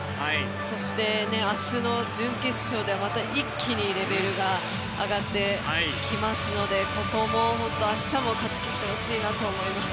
そして、明日の準決勝ではまた一気にレベルが上がってきますのでここも明日も勝ちきってほしいなと思います。